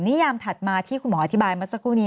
นิยามถัดมาที่คุณหมออธิบายมาสักครู่นี้